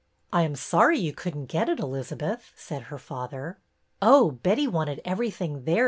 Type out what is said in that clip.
I am sorry you could n't get it, Elizabeth," said her father. '' Oh, Betty wanted everything there.